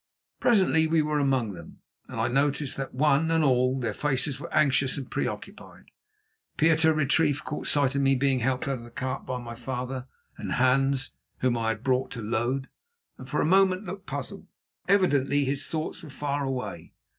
Presently we were among them, and I noticed that, one and all, their faces were anxious and preoccupied. Pieter Retief caught sight of me being helped out of the cart by my father and Hans, whom I had brought to load, and for a moment looked puzzled. Evidently his thoughts were far away.